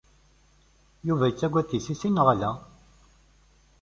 Yuba yettagad tissisin, neɣ ala?